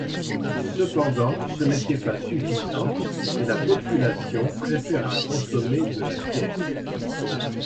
Cependant, ce n'était pas suffisant et la population préféra consommer de la bière.